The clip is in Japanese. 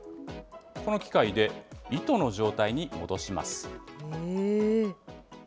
この機械で糸の状態に戻します。